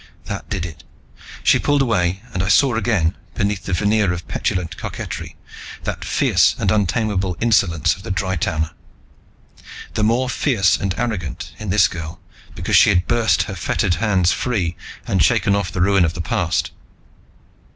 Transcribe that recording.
That did it. She pulled away and I saw again, beneath the veneer of petulant coquetry, that fierce and untamable insolence of the Dry towner. The more fierce and arrogant, in this girl, because she had burst her fettered hands free and shaken off the ruin of the past.